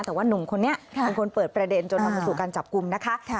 แต่ว่านุ่มคนนี้เป็นคนเปิดประเด็นจนเอามาสู่การจับกลุ่มนะคะ